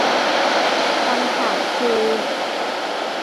คำถามคือ